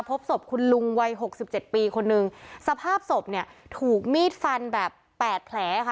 พบศพคุณลุงวัยหกสิบเจ็ดปีคนนึงสภาพศพเนี่ยถูกมีดฟันแบบแปดแผลค่ะ